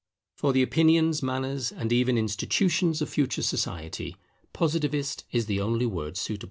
For the opinions, manners, and even institutions of future society, Positivist is the only word suitable.